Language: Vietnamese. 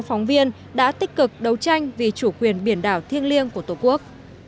phóng viên đã tích cực đấu tranh vì chủ quyền biển đảo thiêng liêng của tổ quốc